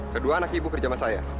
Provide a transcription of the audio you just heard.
kedua anak ibu kerja sama saya